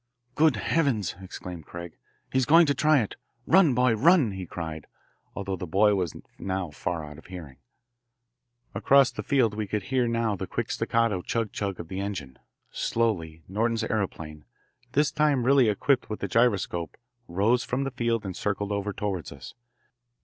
"Good heavens!" exclaimed Craig. "He's going to try it. Run, boy, run!" he cried, although the boy was now far out of hearing. Across the field we could hear now the quick staccato chug chug of the engine. Slowly Norton's aeroplane, this time really equipped with the gyroscope, rose from the field and circled over toward us.